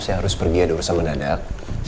saya harus pergi adu adu sama dadak